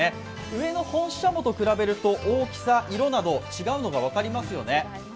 上の本ししゃもと比べると大きさ、色などが違うのが分かりますよね。